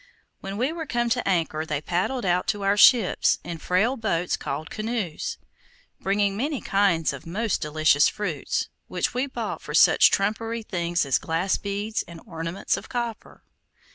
When we were come to anchor, they paddled out to our ships in frail boats called canoes, bringing many kinds of most delicious fruits, which we bought for such trumpery things as glass beads and ornaments of copper.